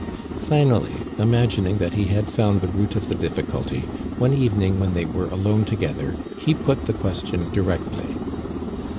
Finally, imagining that he had found the root of the difficulty, one evening when they were alone to gether he put the question directly.